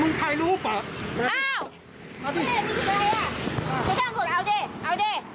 ลูกไทยรู้ปะ